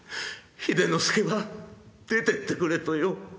秀之助は出てってくれとよ」。